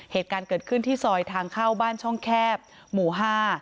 เหตุการณ์เกิดขึ้นที่ซอยทางเข้าบ้านช่องแคบหมู่ห้า